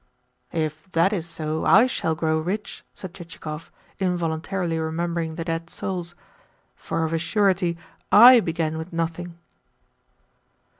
"If that is so, I shall grow rich," said Chichikov, involuntarily remembering the dead souls. "For of a surety I began with nothing."